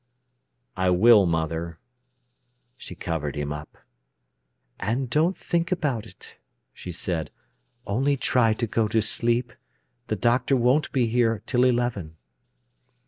"I will, mother." She covered him up. "And don't think about it," she said—"only try to go to sleep. The doctor won't be here till eleven."